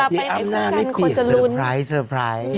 เมื่อรับตารว่าไปไหนก็เป็นคนจะรุ้น